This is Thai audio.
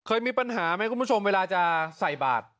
เคยมีปัญหาไหมคุณผู้ชมเวลาจะใส่บาท